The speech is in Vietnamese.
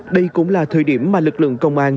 đây cũng là thời điểm mà lực lượng công an